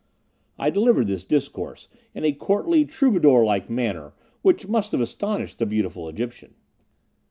I delivered this discourse in a courtly, troubadour like manner, which must have astonished the beautiful Egyptian.